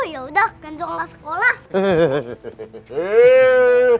ya udah kenco gak sekolah